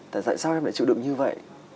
tại sao em lại chịu đựng như vậy